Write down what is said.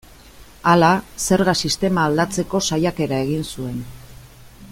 Hala, zerga sistema aldatzeko saiakera egin zuen.